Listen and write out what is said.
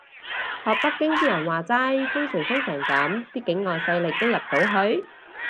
學北京啲人話齋，封網封成噉啲境外勢力都入到去？